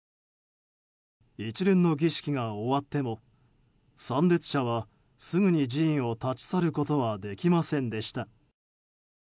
一連の儀式が終わっても参列者は、すぐに寺院を立ち去ることはできませんでした。